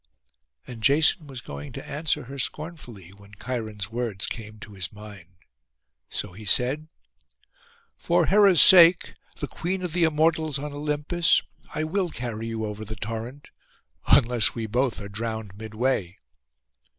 And Jason was going to answer her scornfully, when Cheiron's words came to his mind. So he said, 'For Hera's sake, the Queen of the Immortals on Olympus, I will carry you over the torrent, unless we both are drowned midway.